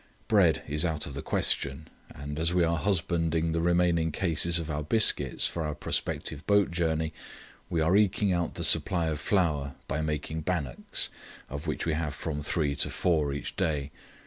Bread is out of the question, and as we are husbanding the remaining cases of our biscuits for our prospective boat journey, we are eking out the supply of flour by making bannocks, of which we have from three to four each day.